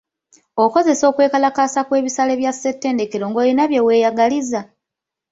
Okozesa okwekalakaasa kw'ebisale bya ssetendekero ng'olina bye weyagaliza?